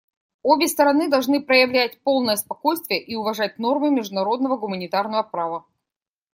Обе стороны должны проявлять полное спокойствие и уважать нормы международного гуманитарного права.